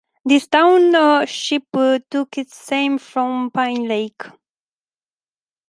This township took its name from Pine Lake.